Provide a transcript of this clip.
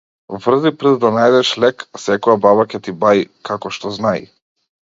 Врзи прст да најдеш лек, секоја баба ќе ти баи како што знаи.